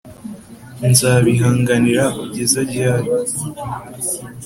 Nzabihanganira kugeza ryari?